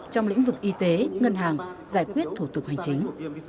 trong lĩnh vực y tế ngân hàng giải quyết thủ tục hành chính